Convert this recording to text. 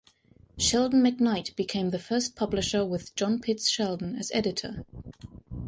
Sheldon McKnight became the first publisher with John Pitts Sheldon as editor.